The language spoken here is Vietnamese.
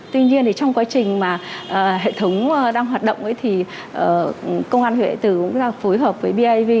tuy nhiên trong quá trình mà hệ thống đang hoạt động thì công an huyện đại tư cũng phối hợp với biav